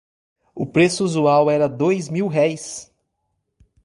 O preço usual era dois mil-réis.